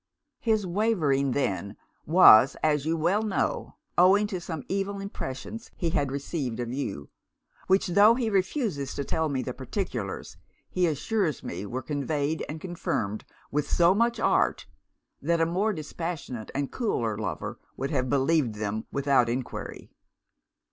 'His wavering then was, you well know, owing to some evil impressions he had received of you; which, tho' he refuses to tell me the particulars, he assures me were conveyed and confirmed with so much art, that a more dispassionate and cooler lover would have believed them without enquiry.